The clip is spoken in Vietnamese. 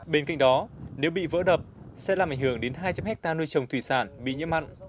bên cạnh đó nếu bị vỡ đập sẽ làm ảnh hưởng đến hai trăm linh hectare nuôi trồng thủy sản bị nhiễm mặn